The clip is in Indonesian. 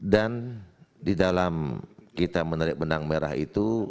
dan di dalam kita menarik benang merah itu